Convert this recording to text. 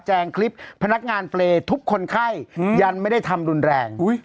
งคลิปพนักงานเปรย์ทุบคนไข้ยันไม่ได้ทำรุนแรง